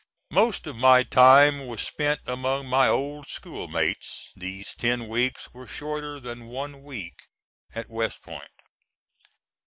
Most of my time was spent among my old school mates these ten weeks were shorter than one week at West Point.